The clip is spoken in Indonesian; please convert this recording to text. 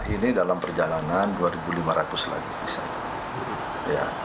ini dalam perjalanan dua lima ratus lagi misalnya